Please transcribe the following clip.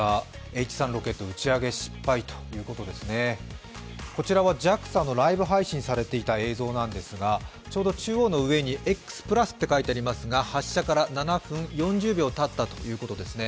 Ｈ３ロケットの打ち上げ失敗ですが、こちらはＪＡＸＡのライブ配信されていた映像なんですがちょうど中央の上に「Ｘ＋」と書いてありますが発射から７分４０秒たったということですね。